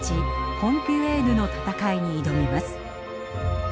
コンピエーニュの戦いに挑みます。